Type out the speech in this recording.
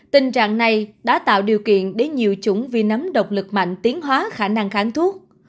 tình trạng này đã tạo điều kiện để nhiều chủng vi nấm độc lực mạnh tiến hóa khả năng kháng thuốc